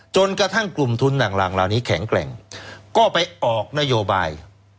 จนกระทั่งกลุ่มทุนต่างเหล่านี้แข็งแกร่งก็ไปออกนโยบาย